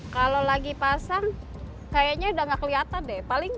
kalau lagi pasang kayaknya udah enggak keliatan deh paling